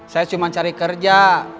saya cuma cari kerja